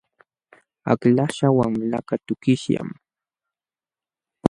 Aklaśhqa wamlakaq tukishllam.